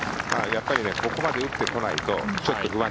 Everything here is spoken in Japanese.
やっぱりここまで打ってこないとちょっと不安。